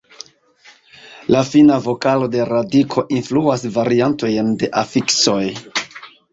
La fina vokalo de radiko influas variantojn de afiksoj.